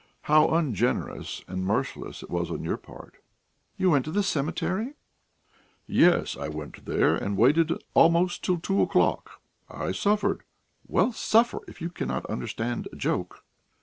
"How ungenerous and merciless it was on your part!..." "You went to the cemetery?" "Yes, I went there and waited almost till two o'clock. I suffered...." "Well, suffer, if you cannot understand a joke."